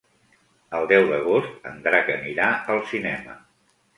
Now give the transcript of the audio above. El deu d'agost en Drac anirà al cinema.